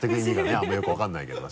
あんまりよく分からないけど。